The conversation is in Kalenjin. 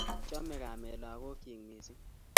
Chamei kamet lakokyin mising